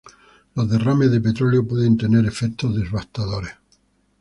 Los derrames de petróleo pueden tener efectos devastadores.